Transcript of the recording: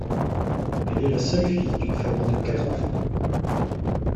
Elle est la seule fille d'une famille de quatre enfants.